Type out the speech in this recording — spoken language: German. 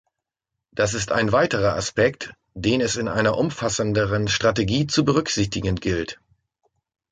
Das ist ein weiterer Aspekt, den es in einer umfassenderen Strategie zu berücksichtigen gilt.